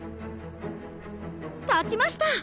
立ちました！